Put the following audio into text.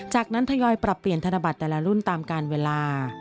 จากนั้นทยอยปรับเปลี่ยนธนบัตรแต่ละรุ่นตามการเวลา